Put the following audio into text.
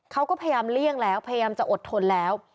เขาก็พยายามเลี่ยงแล้วพยายามจะอดทนแล้ว